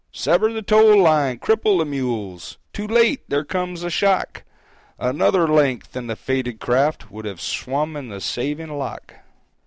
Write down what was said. "Sever the tow line! Cripple the mules!" Too late! There comes a shock! Another length, and the fated craft Would have swum in the saving lock!